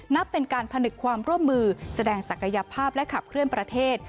นับเป็นการผนึกความร่วมมือแสดงศักยภาพและขับเคลื่อนประเทศ